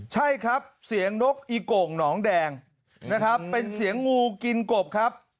ใช่ครับเสียงนกอีโก่งหนองแดงนะครับเป็นเสียงงูกินกบครับ